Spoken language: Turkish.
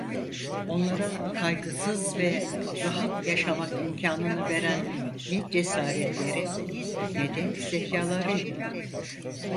Onlara kaygısız ve rahat yaşamak imkanını veren ne cesaretleri, ne de zekalarıydı.